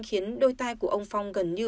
khiến đôi tai của ông phong gần như